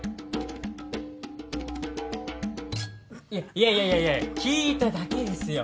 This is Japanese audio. いやいやいやいや聞いただけですよ